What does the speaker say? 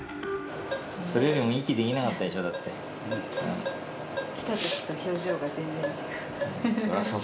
それよりも息できなかったで来たときと表情が全然違う。